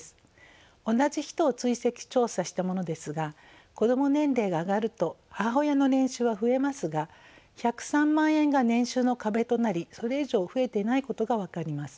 同じ人を追跡調査したものですが子ども年齢が上がると母親の年収は増えますが１０３万円が年収の壁となりそれ以上増えてないことが分かります。